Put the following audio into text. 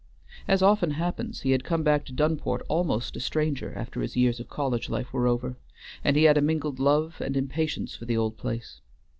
As often happens, he had come back to Dunport almost a stranger after his years of college life were over, and he had a mingled love and impatience for the old place.